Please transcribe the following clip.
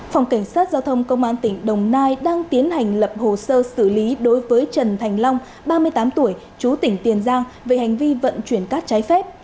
phòng cảnh sát giao thông công an tỉnh đồng nai đang tiến hành lập hồ sơ xử lý đối với trần thành long ba mươi tám tuổi chú tỉnh tiền giang về hành vi vận chuyển cát trái phép